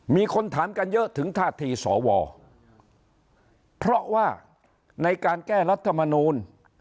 มีคนถามกันเยอะถึงท่าทีสวเพราะว่าในการแก้รัฐมนูล